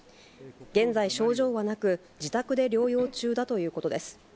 現在、症状はなく、自宅で療養中だということです。